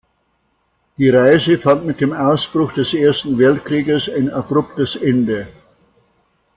Die Reise fand mit dem Ausbruch des Ersten Weltkrieges ein abruptes Ende.